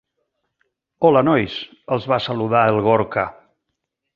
Hola nois —els va saludar el Gorka—.